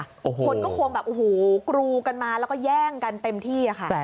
คนก็คงแบบโอ้โหกรูกันมาแล้วก็แย่งกันเต็มที่ค่ะ